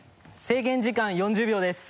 制限時間４０秒です。